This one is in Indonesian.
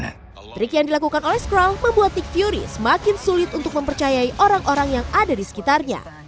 trik yang dilakukan oleh scrul membuat nick fury semakin sulit untuk mempercayai orang orang yang ada di sekitarnya